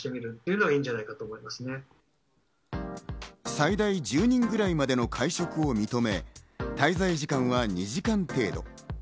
最大１０人くらいまでの会食を認め、滞在時間は２時間程度。